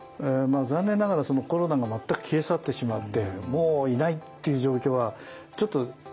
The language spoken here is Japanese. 残念ながらコロナが全く消え去ってしまってもういないっていう状況はちょっと考えにくいんですよね。